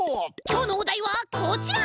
きょうのおだいはこちら！